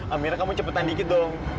akhirnya kamu cepetan dikit dong